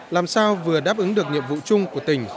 làm sao vừa đáp ứng được nhiệm vụ chung của tỉnh